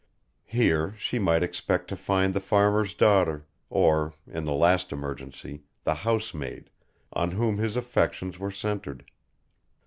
Here she might expect to find the farmer's daughter, or, in the last emergency, the housemaid, on whom his affections were centred.